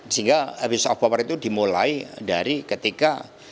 sehingga abuse of power itu dimulai dari ketika